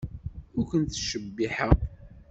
Ur ken-ttcebbiḥeɣ.